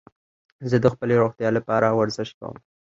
زه د خپلي روغتیا له پاره ورزش کوم.